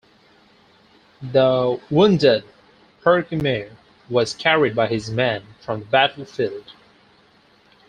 The wounded Herkimer was carried by his men from the battlefield.